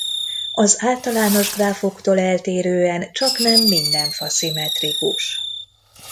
Az általános gráfoktól eltérően csaknem minden fa szimmetrikus.